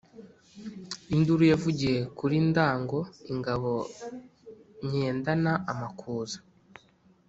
Induru yavugiye kuli Ndago, ingabo nyendana amakuza,